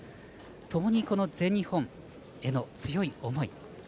ともに全日本への強い思い。